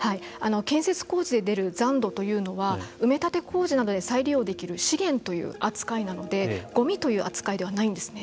建設工事で出る残土というのは埋め立て工事などで再利用できるのでごみという扱いではないんですね。